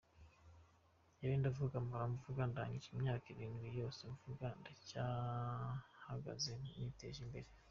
Jyewe ndavuga mpora mvuga ndangije imyaka irindwi yose mvuga ndacyahagaze niteje imbere.